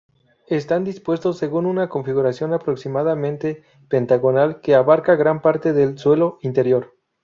Están dispuestos según una configuración aproximadamente pentagonal, que abarca gran parte del suelo interior.